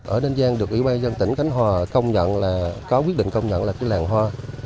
ở ninh giang được ủy ban dân tỉnh khánh hòa có quyết định công nhận là cái làng hoa